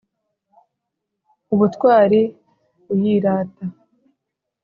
ubutwari uyirata